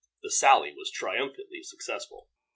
The sally was triumphantly successful.